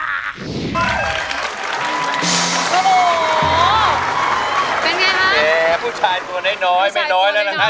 โอ้โฮเป็นไงครับ